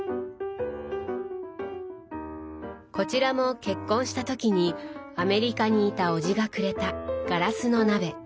こちらも結婚した時にアメリカにいた叔父がくれたガラスの鍋。